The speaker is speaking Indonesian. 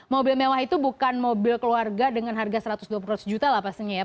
mobil mewah itu bukan mobil keluarga dengan harga satu ratus dua puluh juta lah pastinya ya